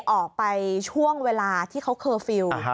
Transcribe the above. ออกไปช่วงเวลาที่เขาเคอร์ฟิลล์